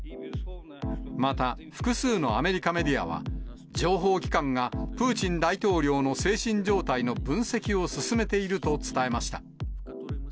また、複数のアメリカメディアは、情報機関がプーチン大統領の精神状態の分析を進めていると伝えました。